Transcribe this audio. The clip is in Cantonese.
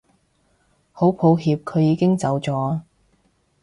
好抱歉佢已經走咗